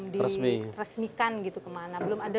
diresmikan gitu kemana belum ada